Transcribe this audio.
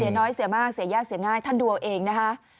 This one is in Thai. น้อยเสียมากเสียยากเสียง่ายท่านดูเอาเองนะคะ